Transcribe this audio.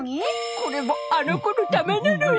これもあの子のためなのよ。